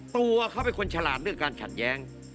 ตัวเขาเป็นคนฉลาดเรื่องการขัดแย้ง